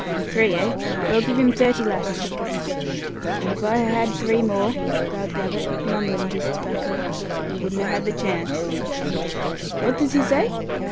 "Three, eh? Well, give him thirty lashes, Vickers." "And if I ha' had three more," growled Gabbett, mumbling at his tobacco, "you wouldn't ha' had the chance." "What does he say?"